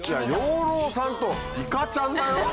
養老さんといかちゃんだよ？